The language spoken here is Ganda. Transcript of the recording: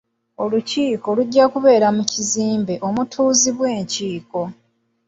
Olukiiko lujja kubeera mu kizimbe omutuuzibwa enkiiko.